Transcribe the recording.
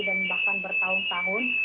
dan bahkan bertahun tahun